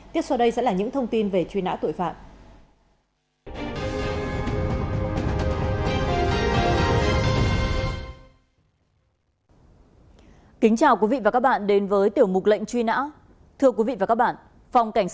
tiếp sau đây sẽ là những thông tin về truy nã tội phạm